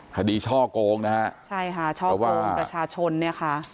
ช่อกงนะฮะใช่ค่ะช่อกงประชาชนเนี่ยค่ะ